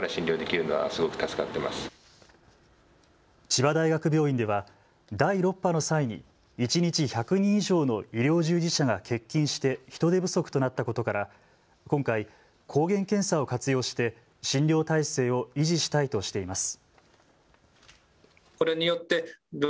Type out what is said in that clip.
千葉大学病院では第６波の際に一日１００人以上の医療従事者が欠勤して人手不足となったことから今回、抗原検査を活用して診療態勢を維持したいとしています。